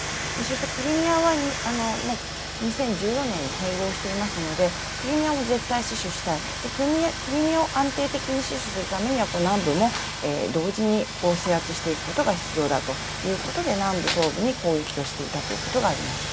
クリミアは２０１４年に併合していますので、クリミアも絶対死守したい、クリミアを安定的に死守するためには南部も同時に制圧していくことが必要だということで南部、東部に攻撃をしていたということがあります。